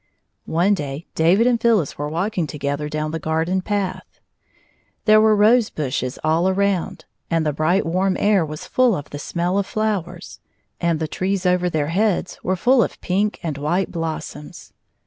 One day David and Phyllis were walking to gether down the garden path. There were rose 85 bushes all around, and the bright warm air was full of the smell of flowers, and the trees over their heads were full of pink and white blossoms.